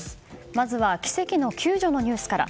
まずは奇跡の救助のニュースから。